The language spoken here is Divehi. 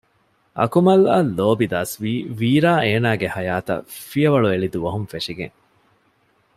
އަކުމަލްއަށް ލޯބި ދަސްވީ ވީރާ އޭނާގެ ހަޔާތަށް ފިޔަވަޅުއެޅި ދުވަހުން ފެށިގެން